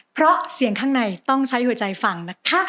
เพราะเสียงข้างในต้องใช้หัวใจฟังนะคะ